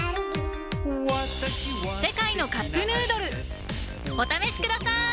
「世界のカップヌードル」お試しください！